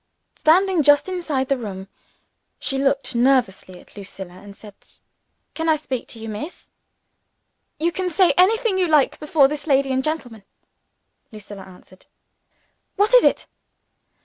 Standing just inside the room, she looked nervously at Lucilla, and said, "Can I speak to you, Miss?" "You can say anything you like, before this lady and gentleman," Lucilla answered. "What is it?"